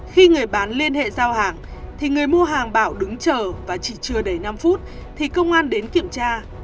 khi người bán liên hệ giao hàng thì người mua hàng bảo đứng chờ và chỉ chưa đầy năm phút thì công an đến kiểm tra